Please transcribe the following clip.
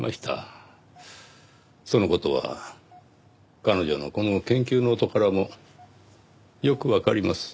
その事は彼女のこの研究ノートからもよくわかります。